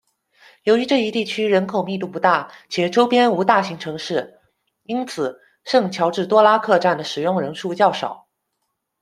由于这一地区人口密度不大，且周边无大型城市，因此圣乔治多拉克站的使用人数较少。